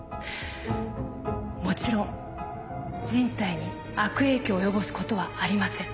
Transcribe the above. もちろん人体に悪影響を及ぼすことはありません。